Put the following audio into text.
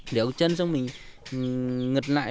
đéo cái chân xong mình ngực lại